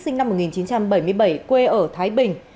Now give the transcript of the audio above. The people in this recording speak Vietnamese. sinh năm một nghìn chín trăm bảy mươi bảy quê ở thái bình